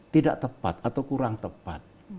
tidak tepat atau kurang tepat